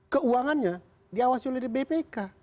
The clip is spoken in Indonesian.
keuangannya diawasi oleh bpk